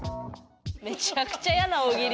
めちゃくちゃやな大喜利。